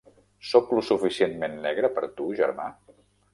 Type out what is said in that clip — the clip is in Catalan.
Sóc lo suficientment negre per tu, germà?